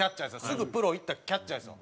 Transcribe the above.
すぐプロいったキャッチャーですよ。